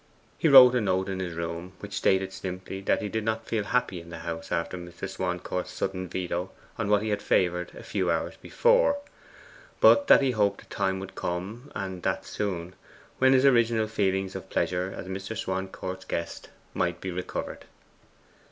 He wrote a note in his room, which stated simply that he did not feel happy in the house after Mr. Swancourt's sudden veto on what he had favoured a few hours before; but that he hoped a time would come, and that soon, when his original feelings of pleasure as Mr. Swancourt's guest might be recovered.